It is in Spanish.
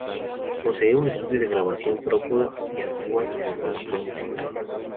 Posee un estudio de grabación propio y actúa como productor musical.